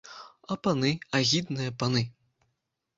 А паны, агідныя паны!